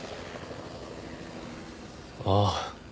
ああ。